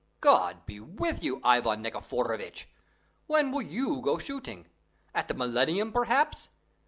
"God be with you, Ivan Nikiforovitch! When will you go shooting? At the millennium, perhaps?